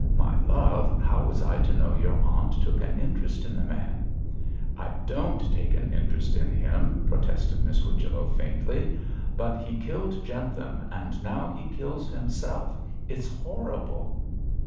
'My love, how was I to know your aunt took an interest in the man?' 'I don't take an interest in him,' protested Miss Whichello, faintly; 'but he killed Jentham, and now he kills himself; it's horrible.'